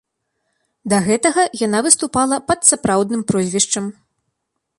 Да гэтага яна выступала пад сапраўдным прозвішчам.